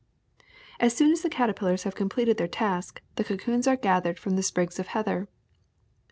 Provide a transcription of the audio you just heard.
As soon as the caterpillars have completed their task, the cocoons are gathered from the sprigs of heather.